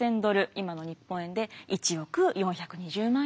今の日本円で１億４２０万円。